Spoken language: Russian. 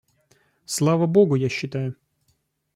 Слава Богу, я считаю.